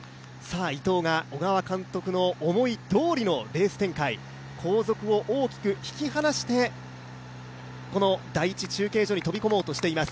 伊藤が小川監督の思いどおりのレース展開、後続を大きく引き離してこの第１中継所に飛び込もうとしています。